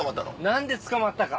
何で捕まったか？